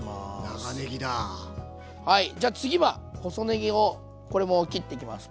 はいじゃあ次は細ねぎをこれも切っていきます。